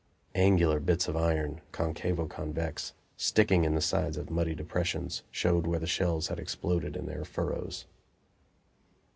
Angular bits of iron, concavo convex, sticking in the sides of muddy depressions, showed where shells had exploded in their furrows.